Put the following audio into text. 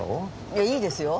いやいいですよ。